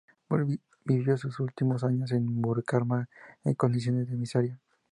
Vivió sus últimos años en Bucaramanga, en condiciones de miseria.